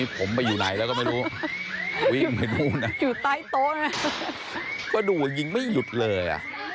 ก็ดูว่ายิงไม่หยุดเลย